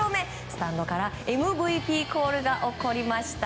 スタンドからＭＶＰコールが起こりました。